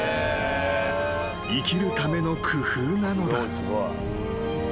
［生きるための工夫なのだ］